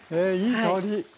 えいい香り！